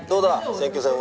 選挙戦は。